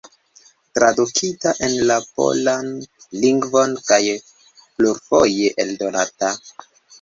Tradukita en la polan lingvon kaj plurfoje eldonata.